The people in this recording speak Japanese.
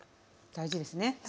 大事ですね。